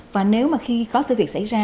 và nếu mà khi có sự việc xảy ra